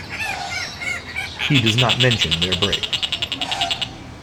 He does not mention their break.